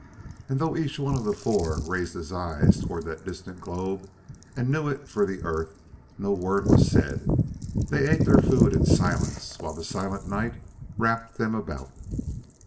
And, though each one of the four raised his eyes toward that distant globe and knew it for the Earth, no word was said; they ate their food in silence while the silent night wrapped them about.